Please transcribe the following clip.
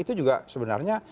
itu juga sebenarnya